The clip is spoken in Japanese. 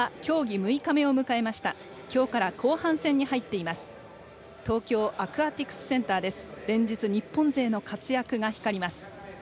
連日、日本勢の活躍が光ります。